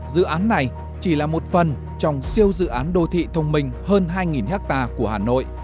dự án này chỉ là một phần trong siêu dự án đô thị thông minh hơn hai ha của hà nội